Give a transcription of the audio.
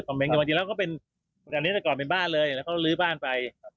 มันก็เป็นอันนี้ก่อนเป็นบ้านเลยแล้วก็ลื้อบ้านไป